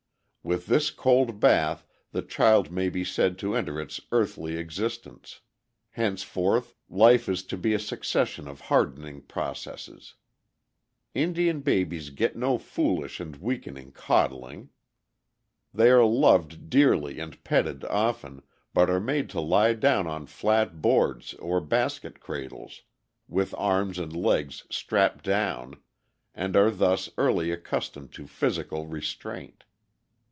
With this cold bath the child may be said to enter its earthly existence. Henceforth life is to be a succession of hardening processes. Indian babies get no foolish and weakening coddling. They are loved dearly and petted often, but are made to lie down on flat boards or basket cradles, with arms and legs strapped down, and are thus early accustomed to physical restraint.